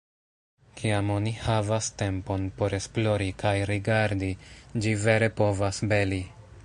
Kiam oni havas tempon por esplori kaj rigardi, ĝi vere povas beli.